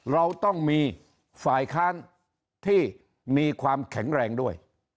เราต้องมีฝ่ายค้านที่มีความแข็งแรงด้วย